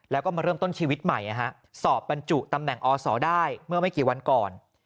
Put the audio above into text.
แล้วก็มาเริ่มต้นชีวิตใหม่สอบบรรจุตำแหน่งอศได้เมื่อไม่กี่วันก่อน